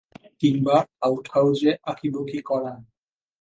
কিংবা আউটহাউজে আঁকিবুঁকি করা?